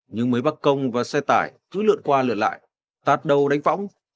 nhưng mấy bắc công và xe tải cứ lượn qua lượt lại tạt đầu đánh võng